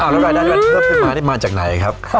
แล้วรายได้เพิ่มขึ้นมาจากไหนครับ